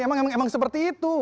emang emang seperti itu